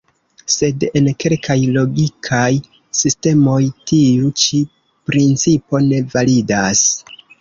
Sed en kelkaj logikaj sistemoj tiu ĉi principo ne validas.